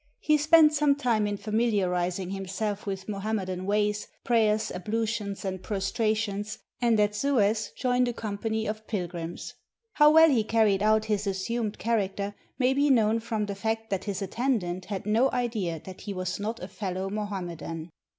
He spent some time in familiarizing himself with Mohammedan ways — prayers, ablutions, and prostrations — and at Suez joined a company of pilgrims. How well he carried out his assumed character may be known from the fact that his attendant had no idea that he was not a fellow Mohammedan.